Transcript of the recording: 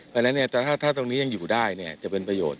เพราะฉะนั้นเนี่ยถ้าตรงนี้ยังอยู่ได้เนี่ยจะเป็นประโยชน์